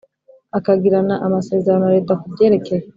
akagirana amasezerano na Leta ku byerekeye